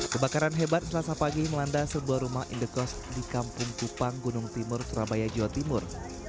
kebakaran hebat selasa pagi melanda sebuah rumah indekos di kampung kupang gunung timur surabaya jawa timur